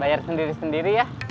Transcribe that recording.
bayar sendiri sendiri ya